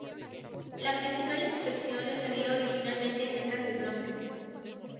La principal inscripción estaría originalmente en letras de bronce.